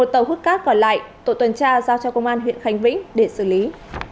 một tàu hút cát còn lại tổ tuần tra giao cho công an huyện khánh vĩnh để xử lý